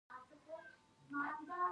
آیا فلټرونه په فابریکو کې نصب دي؟